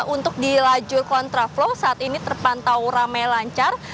untuk dilaju kontra flow saat ini terpantau ramai lancar